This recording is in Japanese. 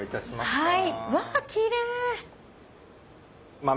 はい。